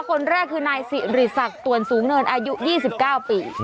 คนแรกคือนายสิริศักดิ์ตวนสูงเนินอายุ๒๙ปี